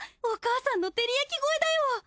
お母さんの照り焼き超えだよ！